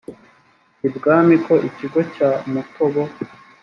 ibwami ko ikigo cya mutobo